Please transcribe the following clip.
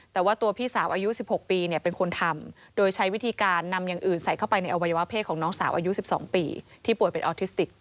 แต่ว่าตัวพี่สาวอายุ๑๖ปีเป็นคนทำโดยใช้วิธีการนำอย่างอื่นใส่เข้าไปในอวัยวะเพศของน้องสาวอายุ๑๒ปีที่ป่วยเป็นออทิสติก